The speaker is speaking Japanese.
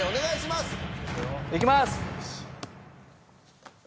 いきます！